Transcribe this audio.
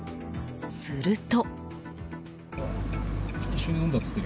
すると。